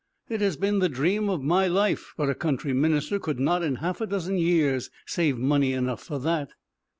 It has been the dream of my life, but a country minister could not, in half a dozen years, save money enough for that."